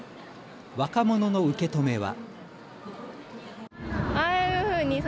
若者の受け止めは。